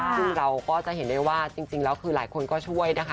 ซึ่งเราก็จะเห็นได้ว่าจริงแล้วคือหลายคนก็ช่วยนะคะ